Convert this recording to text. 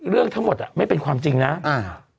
เรื่องทั้งหมดอ่ะไม่เป็นความจริงนะอ่า